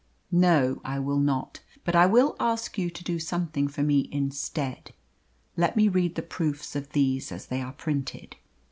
"No, I will not. But I will ask you to do something for me instead: let me read the proofs of these as they are printed."